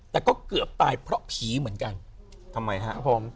แต่ก็เกือบตายเพราะผีเหมือนกันทำไมฮะผม